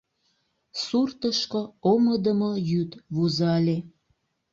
Суртышко омыдымо йӱд вузале.